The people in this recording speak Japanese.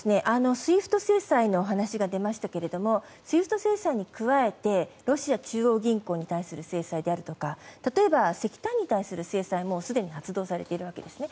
ＳＷＩＦＴ制裁の話が出ましたけれどもＳＷＩＦＴ制裁に加えてロシア中央銀行に対する制裁であるとか例えば、石炭に対する制裁もすでに発動されているわけです。